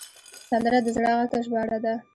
سندره د زړه غږ ته ژباړه ده